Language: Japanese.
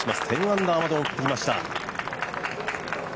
１０アンダーまで持ってきました。